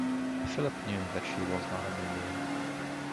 Philip knew that she was not an Indian.